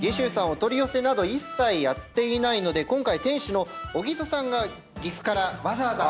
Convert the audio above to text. お取り寄せなど一切やっていないので今回店主の小木曽さんが岐阜からわざわざ。